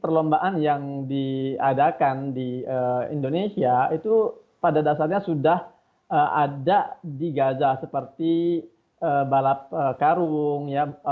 perlombaan yang diadakan di indonesia itu pada dasarnya sudah ada di gaza seperti balap karung ya